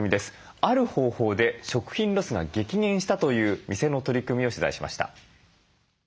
ある方法で食品ロスが激減したという店の取り組みを取材しました。